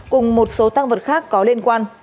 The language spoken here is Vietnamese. cùng một số tăng vật khác có liên quan